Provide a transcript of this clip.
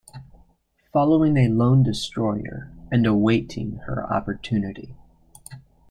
Following a lone destroyer and awaiting her opportunity.